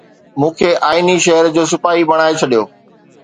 مون کي آئيني شهر جو سپاهي بڻائي ڇڏيو